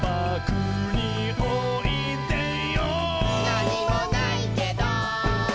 「なにもないけど」